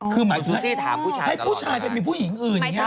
คือหมายถึงว่าให้ผู้ชายไปมีผู้หญิงอื่นอย่างนี้